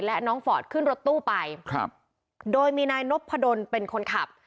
และน้องฟอร์ดขึ้นรถตู้ไปครับโดยมีนายนพดลเป็นคนขับ